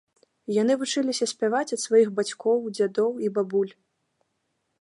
Яны вучыліся спяваць ад сваіх бацькоў, дзядоў і бабуль.